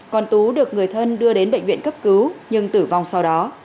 còn tú được người thân đưa đến bệnh viện cấp cứu nhưng tử vong sau đó